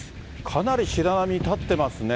かなり白波、立ってますね。